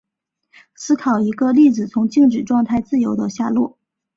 思考一个粒子从静止状态自由地下落。